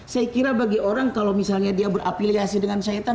saya kira bagi orang kalau misalnya dia berafiliasi dengan syahitan